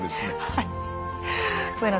はい。